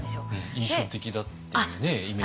印象的だっていうねイメージが。